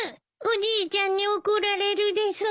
おじいちゃんに怒られるです。